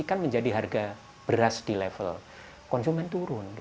ikan menjadi harga beras di level konsumen turun